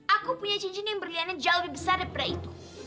aku punya cincin yang berliannya jauh lebih besar daripada itu